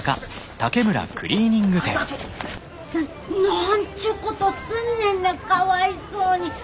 な何ちゅうことすんねんなかわいそうに。